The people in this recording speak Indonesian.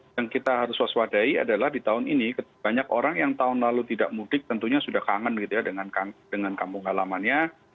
yang kita harus waspadai adalah di tahun ini banyak orang yang tahun lalu tidak mudik tentunya sudah kangen gitu ya dengan kampung halamannya